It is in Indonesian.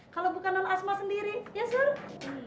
kalau bukan non asma sendiri ya seru